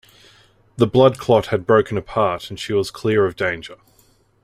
The blood clot had broken apart, and she was clear of danger.